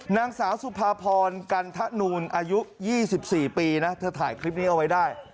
นางสาวสุภาพรกันทะนูลอายุ๒๔ปีนะเธอถ่ายคลิปนี้เอาไว้ได้